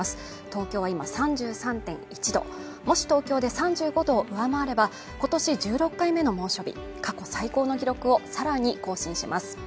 東京は今３３．１度もし東京で３５度を上回れば今年１６回目の猛暑日過去最高の記録をさらに更新します